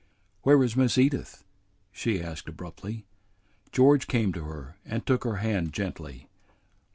"Where is Miss Edith?" she asked abruptly. George came to her and took her hand gently.